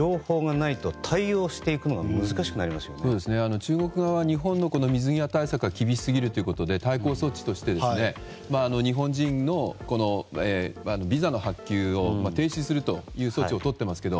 中国側は日本の水際対策が厳しすぎるということで対抗措置として日本人のビザの発給を停止するという措置をとっていますけど。